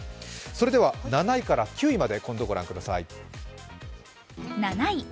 それでは７位から９位まで御覧ください。